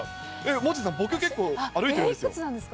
モッチーさん、僕結構、いくつなんですか？